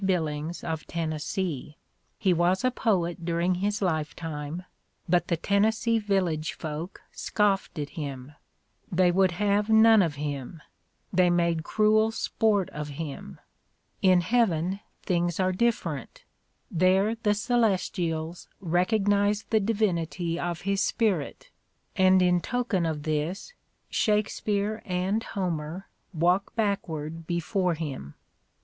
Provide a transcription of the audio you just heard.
Billings of Tennessee. He was a poet during his lifetime, but the Tennessee village folk scoifed at him; they would have none of him, they made cruel sport of him. In heaven things are different ; there the celes tials recognize the divinity of his spirit, and in token of this Shakespeare and Homer walk backward before him.